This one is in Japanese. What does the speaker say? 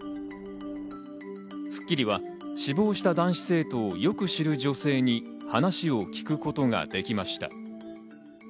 『スッキリ』は死亡した男子生徒をよく知る女性に話を聞くことができました。